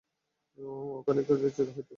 ওখানে খেলছে হয়তো।